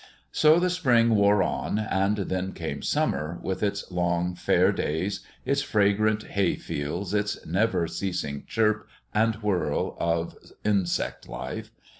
So the spring wore on, and then came summer, with its long, fair days, its fragrant hay fields, its never ceasing chirp and whir of insect life.